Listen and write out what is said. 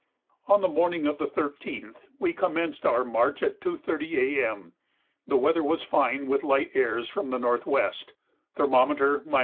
On the morning of the 13th we commenced our march at 2.30 A.M.; the weather was fine with light airs from the north west: thermometer 15°.